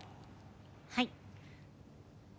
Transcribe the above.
はい。